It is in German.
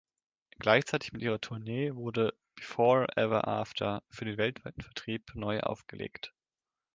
Gleichzeitig mit ihrer Tournee wurde „Before Ever After“ für den weltweiten Vertrieb neu aufgelegt.